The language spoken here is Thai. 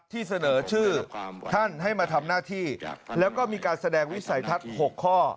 ที่เสนอชื่อท่านให้มาทำหน้าที่แล้วก็มีการแสดงวิสัยทัศน์๖ข้อ